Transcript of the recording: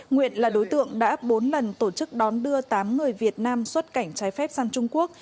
nguyễn là đối tượng đã bốn lần tổ chức đón đưa tám người việt nam xuất cảnh trái phép sang trung quốc